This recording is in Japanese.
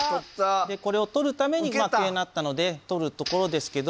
これを取るために桂成ったので取るところですけど。